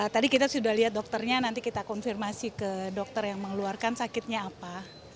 tadi kita sudah lihat dokternya nanti kita konfirmasi ke dokter yang mengeluarkan sakitnya apa